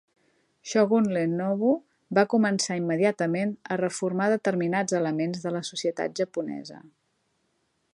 Shogun Ienobu va començar immediatament a reformar determinats elements de la societat japonesa.